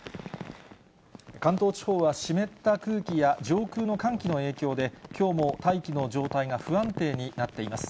関東地方は湿った空気や上空の寒気の影響で、きょうも大気の状態が不安定になっています。